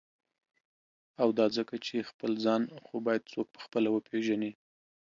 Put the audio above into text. او دا ځکه چی » خپل ځان « خو باید څوک په خپله وپیژني.